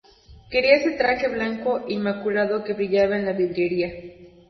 Quería ese traje blanco inmaculado que brillaba en la vidriera.